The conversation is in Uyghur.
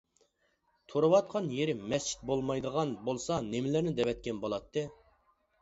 تۇرۇۋاتقان يېرى مەسچىت بولمايدىغان بولسا نېمىلەرنى دەۋەتكەن بولاتتى.